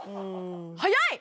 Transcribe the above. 早い！